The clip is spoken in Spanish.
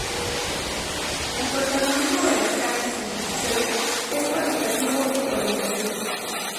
El protagonismo de las carnes en el puchero es cuantitativo y cualitativo.